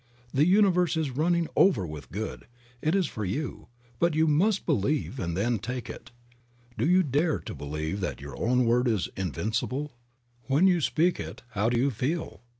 The universe is running over with good , it is for you, but you must believe and then take it. Do you dare to believe that your own word is invincible? When you speak it how do you feel?